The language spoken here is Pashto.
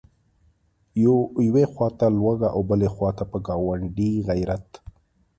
یوې خواته لوږه او بلې خواته په ګاونډي غیرت.